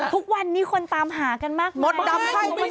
ทุกวันนี้คนตามหากันมากมายนะมดดำให้มันชอบไม่ได้เลย